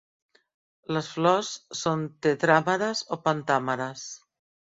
Les flors són tetràmeres o pentàmeres.